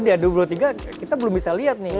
nah itu dia dua ribu dua puluh tiga kita belum bisa liat nih